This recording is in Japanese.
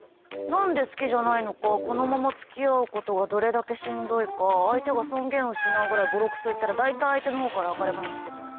何で好きじゃないのかこのまま付き合うことがどれだけしんどいか相手が尊厳を失うぐらいボロクソ言ったら大体相手のほうから別れ話して来ます。